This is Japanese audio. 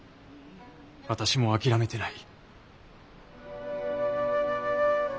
私も諦めてない。